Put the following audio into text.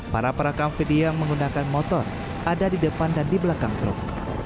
para perekam video yang menggunakan motor ada di depan dan di belakang truk